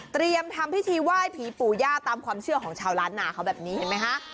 ทำพิธีไหว้ผีปู่ย่าตามความเชื่อของชาวล้านนาเขาแบบนี้เห็นไหมคะ